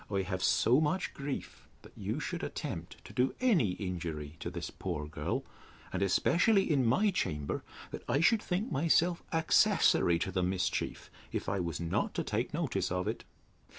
I have so much grief, that you should attempt to do any injury to this poor girl, and especially in my chamber, that I should think myself accessary to the mischief, if I was not to take notice of it.